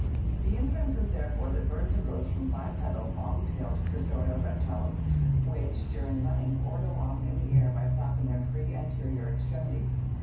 The inference is therefore that birds arose from bipedal long tailed cursorial reptiles which, during running, oared along in the air by flapping their free anterior extremities.